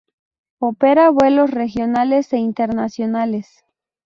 Opera vuelos regionales e internacionales.